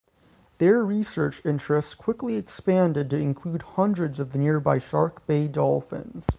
Their research interests quickly expanded to include hundreds of the nearby Shark Bay dolphins.